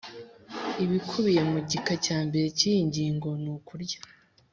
Ibikubiye mu gika cya mbere cy iyi ngingo nukurya